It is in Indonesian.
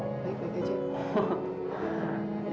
kok baik baik aja